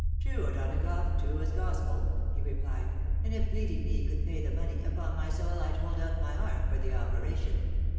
" True, O'Donagough, true as gospel !" he replied, " and if bleeding me could pay the money, upon my soul I'd hold out my arm for the operation.